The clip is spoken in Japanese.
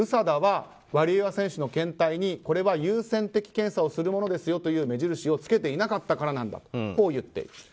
ＲＵＳＡＤＡはワリエワ選手の検体にこれは優先的検査をするものですよという目印をつけていなかったからだと言っている。